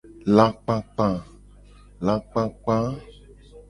Lakpakpa.